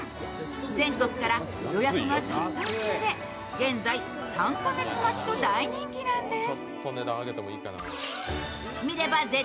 全国から予約が殺到中で、現在、３カ月待ちの大人気なんです。